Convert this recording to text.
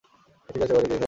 ঠিক আছে, বাড়িতেই থাকো।